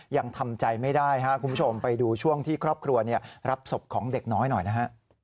ยังทำใจไม่ได้ครับคุณผู้ชมไปดูช่วงที่ครอบครัวรับศพของเด็กน้อยหน่อยนะฮะ